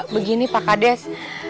begini pak kades